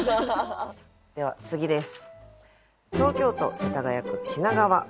では次です。